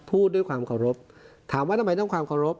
พูดด้วยความเคารพถามว่าทำไมต้องความเคารพ